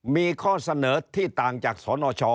มีข้อเสนอที่ต่างจากสนช